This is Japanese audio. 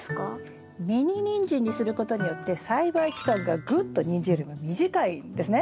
ミニニンジンにすることによって栽培期間がぐっとニンジンよりも短いんですね。